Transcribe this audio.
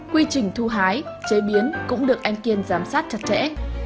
quy trình thu hái chế biến cũng được anh kiên giám sát chặt chẽ